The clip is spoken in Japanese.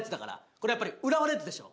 これやっぱり浦和レッズでしょ。